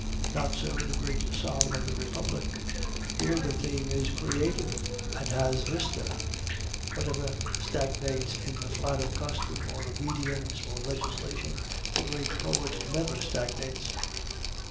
Not so the great psalm of the republic. Here the theme is creative, and has vista. Whatever stagnates in the flat of custom or obedience or legislation, the great poet never stagnates.